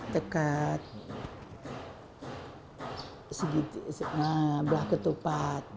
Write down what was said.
tekad belah ketupat